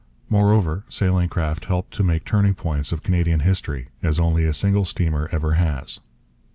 Moreover, sailing craft helped to make turning points of Canadian history as only a single steamer ever has.